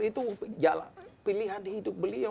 itu pilihan di hidup beliau